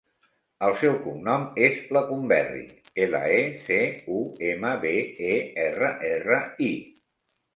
El seu cognom és Lecumberri: ela, e, ce, u, ema, be, e, erra, erra, i.